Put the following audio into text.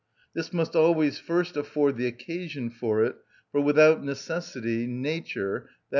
This must always first afford the occasion for it, for without necessity nature (_i.